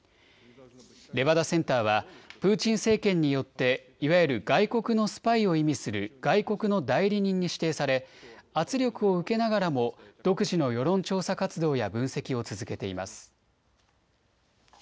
レバダセンターはプーチン政権によっていわゆる外国のスパイを意味する外国の代理人に指定され圧力を受けながらも独自の世論調査活動や分析を続けています。